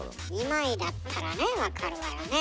２枚だったらねわかるわよね。